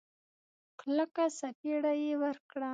کلکه سپېړه يې ورکړه.